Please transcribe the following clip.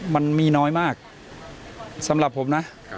มันมีน้อยมากสำหรับผมนะ